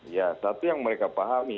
ya satu yang mereka pahami